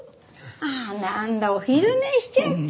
ああなんだお昼寝しちゃってるよ。